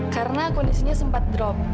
karena kondisinya sempat drop